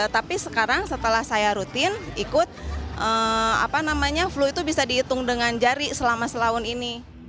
tapi sekarang setelah saya rutin ikut flu itu bisa dihitung dengan jari selama selaun ini